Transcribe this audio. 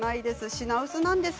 品薄なんです。